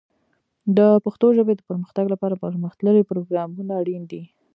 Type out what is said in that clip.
د پښتو ژبې د پرمختګ لپاره پرمختللي پروګرامونه اړین دي.